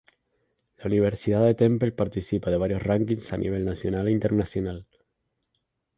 La Universidad del Temple participa de varios rankings a nivel nacional e internacional.